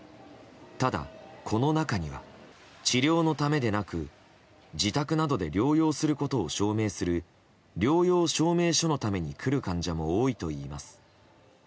ただ、この中には治療のためでなく自宅などで療養することを証明する療養証明書のために来る患者も多いといいます。